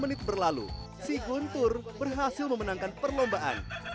sepuluh menit berlalu si guntur berhasil memenangkan perlombaan ayamnya